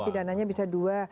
pidananya bisa dua